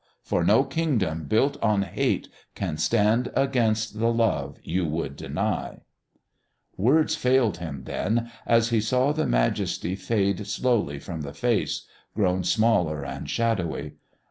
For no Kingdom built on hate can stand against the love you would deny " Words failed him then, as he saw the majesty fade slowly from the face, grown small and shadowy.